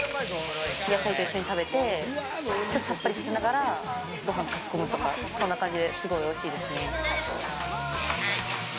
野菜と一緒に食べてさっぱりさせながらご飯をかき込むとかそんな感じで、すごくおいしいですね。